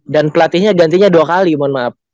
dan pelatihnya gantinya dua kali mohon maaf